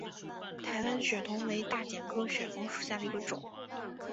台湾血桐为大戟科血桐属下的一个种。